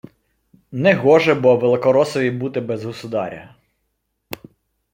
Негоже бо «великоросові» бути без «государя»